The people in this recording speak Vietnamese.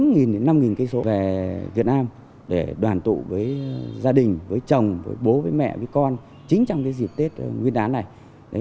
bốn năm km về việt nam để đoàn tụ với gia đình với chồng với bố với mẹ với con chính trong cái dịp tết nguyên đán này